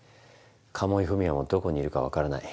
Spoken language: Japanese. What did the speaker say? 鴨井文哉もどこにいるかわからない。